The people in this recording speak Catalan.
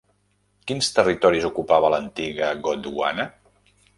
Quins territoris ocupava l'antiga Gondwana?